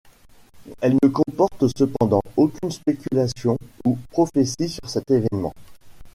Elle ne comporte cependant aucune spéculation ou prophétie sur cet événement.